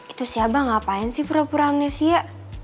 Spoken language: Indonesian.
itu si abah ngapain sih pura pura amnesia